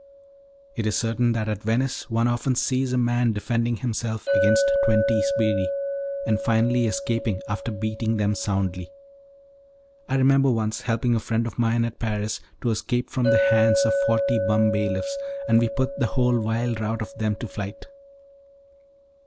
It is certain that at Venice one often sees a man defending himself against twenty sbirri, and finally escaping after beating them soundly. I remember once helping a friend of mine at Paris to escape from the hands of forty bum bailiffs, and we put the whole vile rout of them to flight.